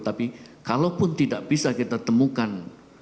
tapi kalaupun tidak bisa kita temukan